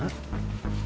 si debbie berubah